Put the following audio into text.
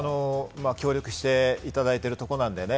協力していただいているところなのでね。